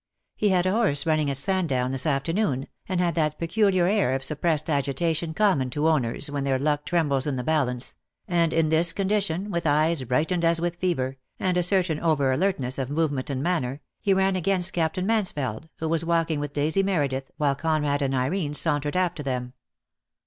He had a horse running at Sandown this afternoon, and had that pecuhar air of sup pressed agitation common to owners when their luck trembles in the balance, and in this condition, with eyes brightened as with fever, and a certain over alertness of movement and manner, he ran against Captain Mansfeld, who was walking with Daisy Meredith, while Conrad and Irene sauntered after them.